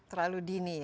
terlalu dini ya